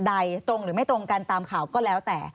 ใดตรงหรือไม่ตรงกันตามข่าวก็แล้วแต่